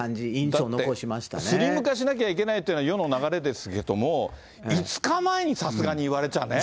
だってスリム化しなきゃいけないというのは世の流れですけども、５日前にさすがに言われちゃね。